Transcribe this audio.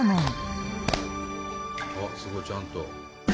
すごいちゃんと。